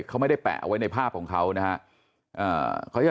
เขาไม่ได้แปะไว้ในภาพของเขานะฮะ